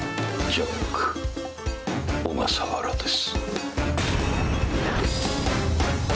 ジャック小笠原です。